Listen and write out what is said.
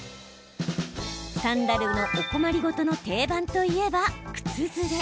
サンダルのお困り事の定番といえば、靴ずれ。